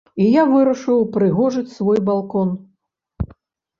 І я вырашыў упрыгожыць свой балкон.